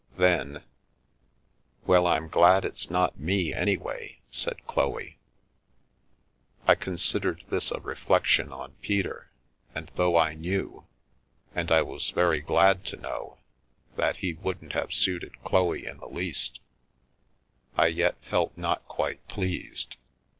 Then: "Well, I'm glad it's not me, anyway," said Chloe. I considered this a reflection on Peter, and though I knew (and I was very glad to know) that he wouldn't have suited Chloe in the least, I yet felt not quite pleased.